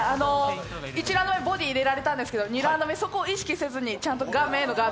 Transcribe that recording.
１ラウンド目、ボディ入れられたんですけど２ラウンド目、そこを意識せずにちゃんと顔面へのガード